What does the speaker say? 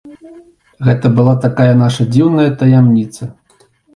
Гэта была такая нашая дзіўная таямніца.